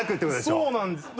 そうなんです。